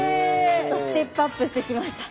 ちょっとステップアップしてきました。